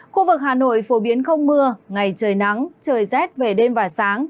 khu vực hà nội phổ biến không mưa ngày trời nắng trời rét về đêm và sáng